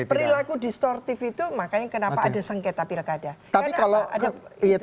perilaku distortif itu makanya kenapa ada sengketa pilkada